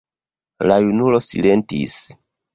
La junulo silentis.